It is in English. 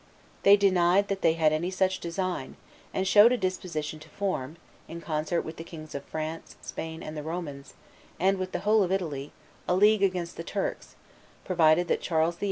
They denied that they had any such design, and showed a disposition to form, in concert with the Kings of France, Spain, and the Romans, and with the whole of Italy, a league against the Turks, provided that Charles VIII.